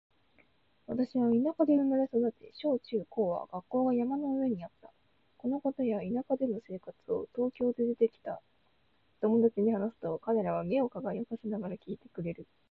私は田舎で生まれ育ち、小・中・高は学校が山の上にあった。このことや田舎での生活を東京でできた友達に話すと、彼らは目を輝かせながら聞いてくれる。